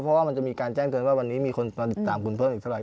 เพราะว่ามันจะมีการแจ้งเตือนว่าวันนี้มีคนมาติดตามคุณเพิ่มอีกเท่าไห